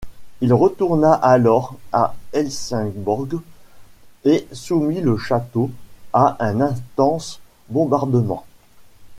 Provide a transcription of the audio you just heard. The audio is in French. Il retourna alors à Helsingborg et soumit le château à un intense bombardement.